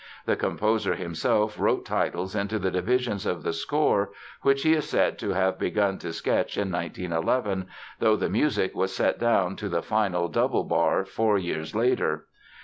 The composer himself wrote titles into the divisions of the score (which he is said to have begun to sketch in 1911, though the music was set down to the final double bar four years later).